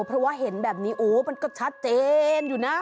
เพราะว่าเห็นแบบนี้โอ้มันก็ชัดเจนอยู่นะ